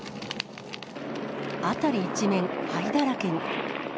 辺り一面、灰だらけに。